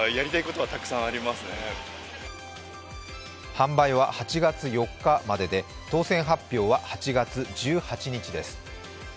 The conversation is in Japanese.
販売は８月４日までで当選発表は８月１８日です。